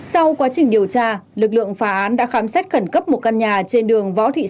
sau quá trình điều tra lực lượng phá án đã khám xét khẩn cấp một căn nhà trên đường võ thị sáu